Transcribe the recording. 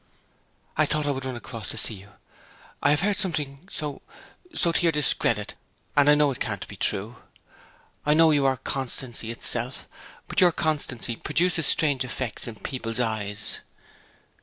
'I thought I would run across to see you. I have heard something so so to your discredit, and I know it can't be true! I know you are constancy itself; but your constancy produces strange effects in people's eyes!'